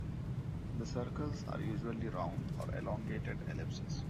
The circles are usually round, or elongated ellipses.